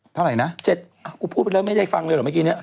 เท่าไหร่นะ๗กูพูดไปแล้วไม่ได้ฟังเลยเหรอเมื่อกี้เนี่ย